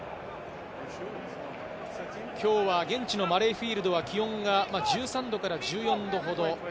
今日は現地のマレーフィールドは気温が１３度から１４度ほど。